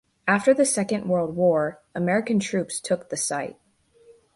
After the Second World War, American troops took the site.